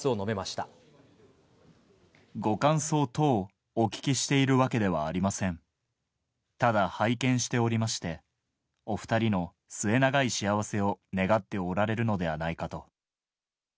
ただ拝見しておりまして、お２人の末永い幸せを願っておられるのではないかと。